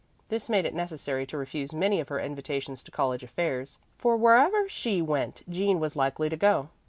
This made it necessary to refuse many of her invitations to college affairs, for wherever she went Jean was likely to go.